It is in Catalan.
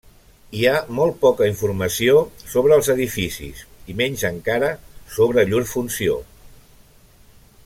Hi ha molt poca informació sobre els edificis, i menys encara sobre llur funció.